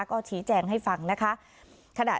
ก็ชี้แจงให้ฟังนะคะ